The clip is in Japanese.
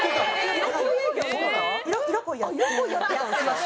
色恋やってたんですか？